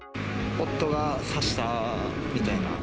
夫が刺したみたいな。